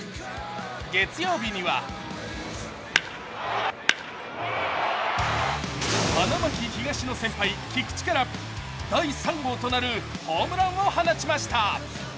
月曜日には、花巻東の先輩・菊池から第３号となるホームランを放ちました。